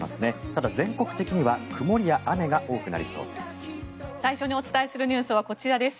ただ、全国的には曇りや雨が多くなりそうです。